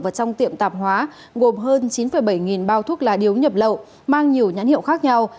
và trong tiệm tạp hóa gồm hơn chín bảy nghìn bao thuốc lá điếu nhập lậu mang nhiều nhãn hiệu khác nhau